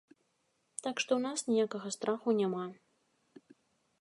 Так што ў нас ніякага страху няма.